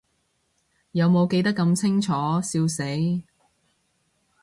有無記得咁清楚，笑死